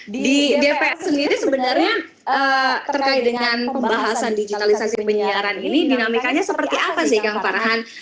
di dpr sendiri sebenarnya terkait dengan pembahasan digitalisasi penyiaran ini dinamikanya seperti apa sih kang farhan